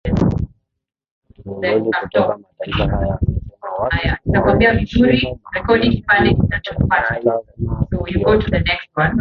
viongozi kutoka mataifa hayo wamesema wakti wa kuheshimu maamuzi ya mkutano kioto